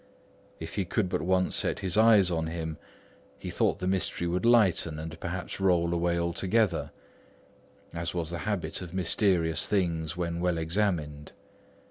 If he could but once set eyes on him, he thought the mystery would lighten and perhaps roll altogether away, as was the habit of mysterious things when well examined.